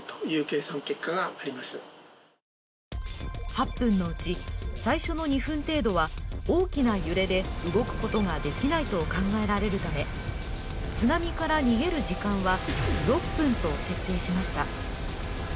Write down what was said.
８分のうち、最初の２分程度は大きな揺れで動くことができないと考えられるため、津波から逃げる時間は６分と設定しました。